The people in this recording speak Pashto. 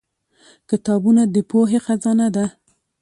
کتابونه د پوهې خزانه ده.